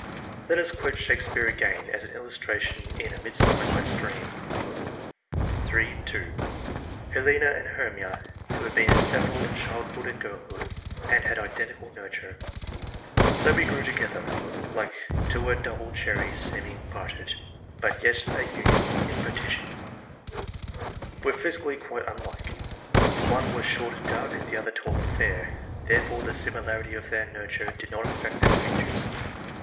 Let us quote Shakespeare again as an illustra tion ; in " A Midsummer Night's Dream " (iii. 2), Helena and Hermia, who had been inseparable in childhood and girlhood, and had identical nurture —So we grew together, Like to a double cherry, seeming parted, But yet a union in partition," — were physically quite unlike : the one was short and dark, the other tall and fair ; therefore, the 16 ENGLISH MEN OF SCIENCE. [chap. similarity of their nurture did not affect their features.